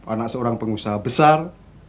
anak seorang pengusaha besar